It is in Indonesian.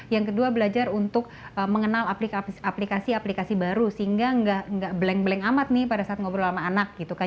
yang kedua belajar untuk mengenal aplikasi aplikasi baru sehingga nggak blank blank amat nih pada saat ngobrol sama anak gitu kan